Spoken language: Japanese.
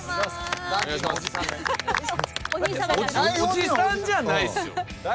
おじさんじゃないっすよ。